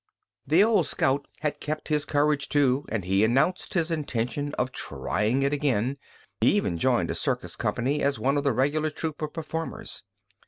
The old scout had kept his courage, too, and he announced his intention of trying it again; he even joined a circus company as one of the regular troupe of performers.